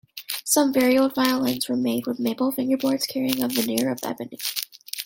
Some very old violins were made with maple fingerboards, carrying a veneer of ebony.